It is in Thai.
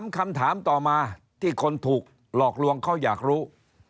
คำถามต่อมาที่คนถูกหลอกลวงเขาอยากรู้